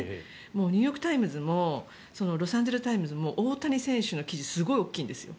ニューヨーク・タイムズもロサンゼルス・タイムズも大谷選手の記事すごく大きいんですよ。